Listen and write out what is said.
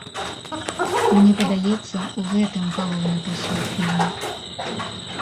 Мне падаецца, у гэтым галоўны пасыл фільму.